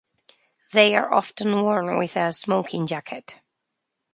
They are often worn with a smoking jacket.